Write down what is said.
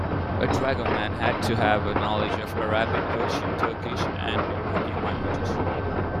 A dragoman had to have a knowledge of Arabic, Persian, Turkish, and European languages.